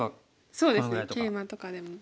そうですねケイマとかでも。